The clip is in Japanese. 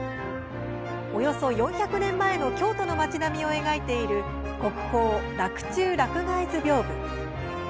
およそ４００年前の京都の町並みを描いている国宝「洛中洛外図屏風」。